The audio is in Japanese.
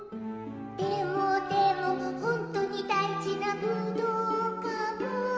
「でもでもほんとにだいじなぶどうかも？」